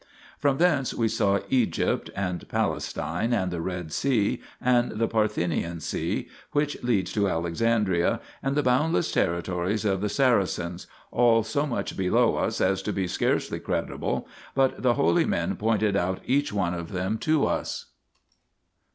From thence we saw Egypt and Palestine, and the Red Sea and the Parthenian Sea, 1 which leads to Alexandria and the boundless territories of the Saracens, all so much below us as to be scarcely credible, but the holy men pointed out each one of them to us.